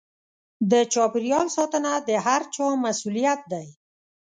د چاپېريال ساتنه د هر چا مسووليت دی.